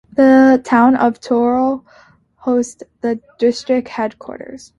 The town of Tororo hosts the district headquarters.